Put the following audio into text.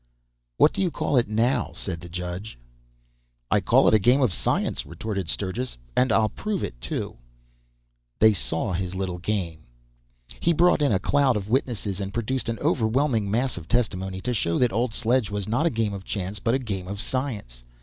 "What do you call it now?" said the judge. "I call it a game of science!" retorted Sturgis; "and I'll prove it, too!" They saw his little game. He brought in a cloud of witnesses, and produced an overwhelming mass of testimony, to show that old sledge was not a game of chance but a game of science.